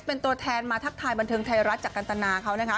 เป็นตัวแทนมาทักทายบันเทิงไทยรัฐจากกันตนาเขานะคะ